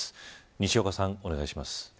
西岡さん、お願いします。